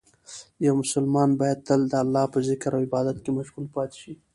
یو مسلمان باید تل د الله په ذکر او عبادت کې مشغول پاتې شي.